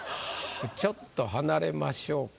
ちょっと離れましょうか。